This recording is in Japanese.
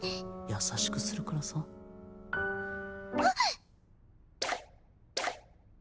優しくするからさはっ！